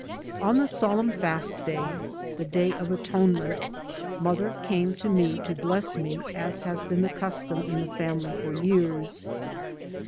On the solemn fast day, the day of Atone ment, mother came to me to bless me as has been the custom in the family for years.